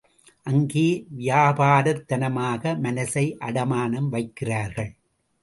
அங்கே வியாபாரத்தனமாக மனசை அடமானம் வைக்கிறார்கள்.